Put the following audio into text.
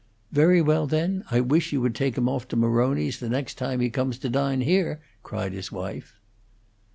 "Very well, then, I wish you would take him off to Maroni's, the next time he comes to dine here!" cried his wife.